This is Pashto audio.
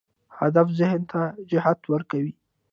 هدف ذهن ته جهت ورکوي.